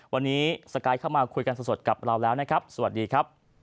วันนี้สกายเข้ามาคุยกันสดกับเราแล้วนะครับสวัสดีครับ